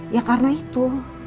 ya karena itu